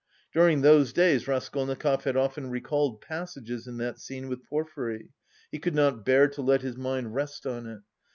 (During those days Raskolnikov had often recalled passages in that scene with Porfiry; he could not bear to let his mind rest on it.)